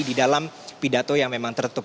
di dalam pidato yang memang tertutup